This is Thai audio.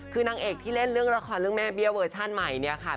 คือนางเอกที่เล่นเรื่องละครเรื่องแม่เบี้ยเวอร์ชั่นใหม่เนี่ยค่ะ